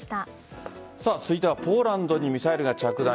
続いてはポーランドにミサイルが着弾。